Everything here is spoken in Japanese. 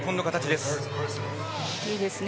いいですね。